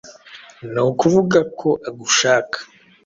Ni ukuvuga ko agushaka